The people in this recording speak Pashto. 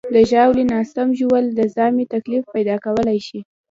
د ژاولې ناسم ژوول د ژامې تکلیف پیدا کولی شي.